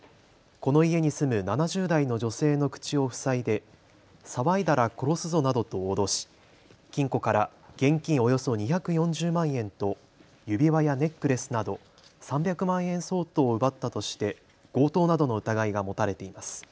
この家に住む７０代の女性の口を塞いで騒いだら殺すぞなどと脅し金庫から現金およそ２４０万円と指輪やネックレスなど３００万円相当を奪ったとして強盗などの疑いが持たれています。